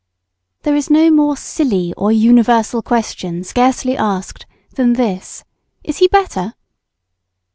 ] There is no more silly or universal question scarcely asked than this, "Is he better?"